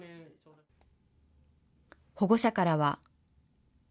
保護者からは。